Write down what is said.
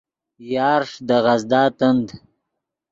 یارݰ دے غزدا تند